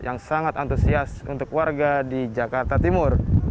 yang sangat antusias untuk warga di jakarta timur